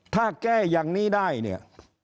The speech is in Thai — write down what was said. ถ้าแก๊งอย่างนี้ได้